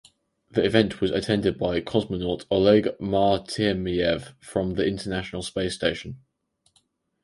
The event was attended by cosmonaut Oleg Artemyev from the International Space Station.